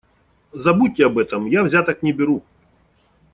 Забудьте об этом - я взяток не беру.